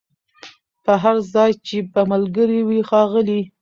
پر هر ځای چي به ملګري وه ښاغلي